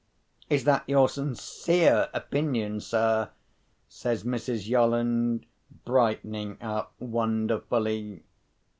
"Is that your sincere opinion, sir?" says Mrs. Yolland brightening up wonderfully.